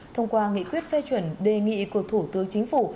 thông qua nghị quyết phê chuẩn đề nghị của thủ tướng chính phủ